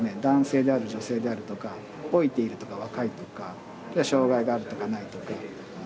男性である女性であるとか老いているとか若いとか障害があるとかないとか。